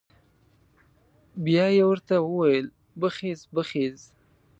بيا یې ورته وويل بخېز بخېز.